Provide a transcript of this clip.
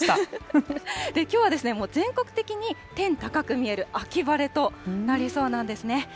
きょうは全国的に天高く見える秋晴れとなりそうなんですね。